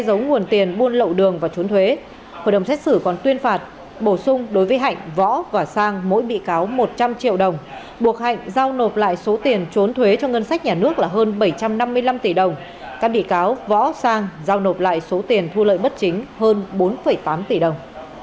hội đồng xét xử còn tuyên phạt bổ sung đối với hạnh võ và sang mỗi bị cáo một trăm linh triệu đồng buộc hạnh giao nộp lại số tiền trốn thuế cho ngân sách nhà nước là hơn bảy trăm năm mươi năm tỷ đồng các bị cáo võ sang giao nộp lại số tiền thu lợi bất chính hơn bốn tám tỷ đồng